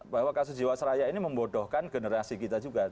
bahwa kasus jiwasraya ini membodohkan generasi kita juga